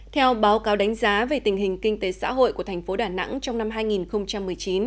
theo báo cáo đánh giá về tình hình kinh tế xã hội của thành phố đà nẵng trong năm hai nghìn một mươi chín